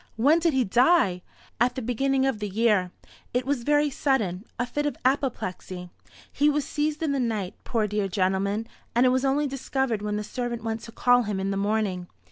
When did he die?" "At the beginning of the year. It was very sudden a fit of apoplexy. He was seized in the night, poor dear gentleman, and it was only discovered when the servant went to call him in the morning.